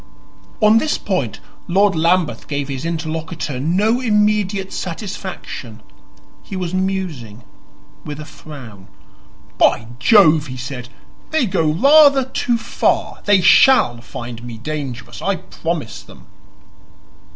On this point Lord Lambeth gave his interlocutor no immediate satisfaction; he was musing, with a frown. "By Jove," he said, "they go rather too far. They SHALL find me dangerous I promise them."